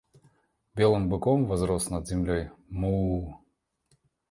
Белым быком возрос над землей: Муууу!